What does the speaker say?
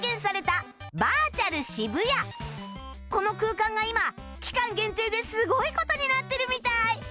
この空間が今期間限定ですごい事になってるみたい